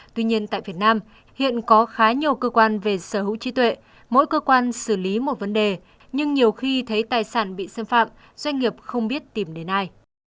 tuy nhiên tại việt nam hiện có khá nhiều cơ quan về sở hữu trí tuệ mỗi cơ quan xử lý một vấn đề nhưng nhiều khi thấy tài sản bị xâm phạm doanh nghiệp không biết tìm đến ai